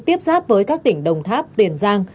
tiếp giáp với các tỉnh đồng tháp tiền giang